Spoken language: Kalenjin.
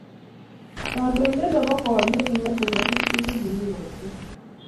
kandoindet nebo koot nekingatee ngatutik ko kimii korkoret